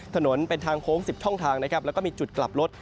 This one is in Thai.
ถนนเป็นทางโค้ง๑๐ช่องทางนะครับแล้วก็มีจุดกลับรถ